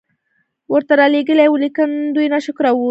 ورته را ليږلي وو، ليکن دوی ناشکره وو، د دوی